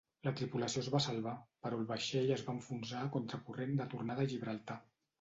La tripulació es va salvar, però el vaixell es va enfonsar contra corrent de tornada a Gibraltar.